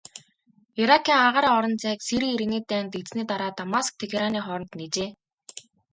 Иракийн агаарын орон зайг Сирийн иргэний дайн дэгдсэний дараа Дамаск-Тегераны хооронд нээжээ.